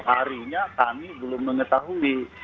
harinya kami belum mengetahui